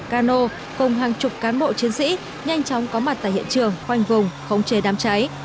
cano cùng hàng chục cán bộ chiến sĩ nhanh chóng có mặt tại hiện trường khoanh vùng khống chế đám cháy